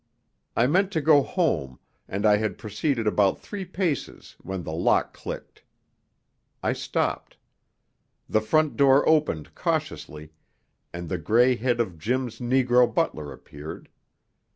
I meant to go home, and I had proceeded about three paces when the lock clicked. I stopped. The front door opened cautiously, and the gray head of Jim's negro butler appeared.